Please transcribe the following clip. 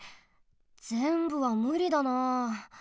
ぜんぶはむりだなあ。